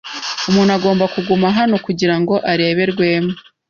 Umuntu agomba kuguma hano kugirango arebe Rwema.